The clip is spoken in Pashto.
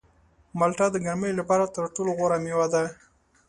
مالټه د ګرمۍ لپاره تر ټولو غوره مېوه ده.